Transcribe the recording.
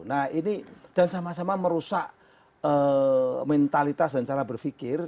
nah ini dan sama sama merusak mentalitas dan cara berpikir